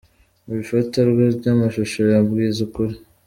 Mu ifatwa ry'amashusho ya Mbwiza ukuri.